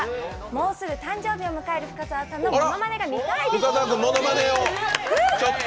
「もうすぐ誕生日を迎える深澤さんのものまねが見たいです」と。